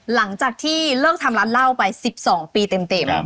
หลังจากที่เลิกทำร้านเหล้าไป๑๒ปีเต็ม